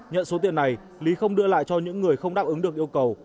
nhận số tiền này lý không đưa lại cho những người không đáp ứng được yêu cầu